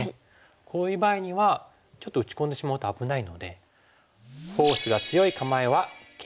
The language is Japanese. こういう場合にはちょっと打ち込んでしまうと危ないので。